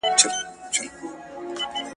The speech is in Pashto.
زه ليک نه لولم؟!